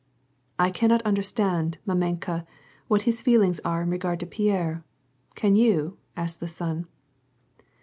" I cannot understand, mamenka, what his feelings are in regard to Pierre, can you ?" asked the son.